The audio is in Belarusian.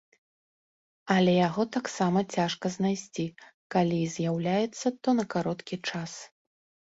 Але яго таксама цяжка знайсці, калі і з'яўляецца, то на кароткі час.